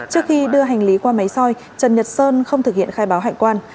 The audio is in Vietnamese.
trước khi đưa hành lý qua máy soi trần nhật sơn không thực hiện khai báo hải quan